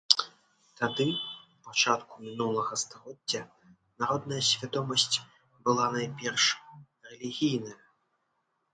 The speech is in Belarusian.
Тады, у пачатку мінулага стагоддзя, народная свядомасць была найперш рэлігійная.